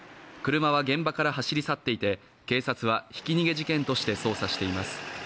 車は現場から走り去っていて、警察は、ひき逃げ事件として捜査しています。